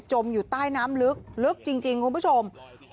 อยู่ใต้น้ำลึกลึกจริงคุณผู้ชม